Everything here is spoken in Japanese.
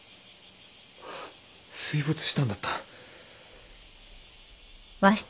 あっ水没したんだった。